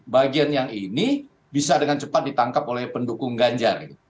bagian yang ini bisa dengan cepat ditangkap oleh pendukung ganjar